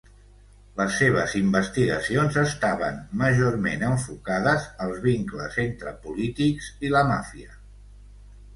Les seves investigacions estaven majorment enfocades als vincles entre polítics i la Màfia.